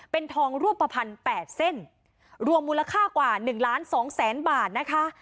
เป็นทองร่วมประพันธ์๘เส้นรวมมูลค่ากว่า๑ล้าน๒แสนบาทนะคะ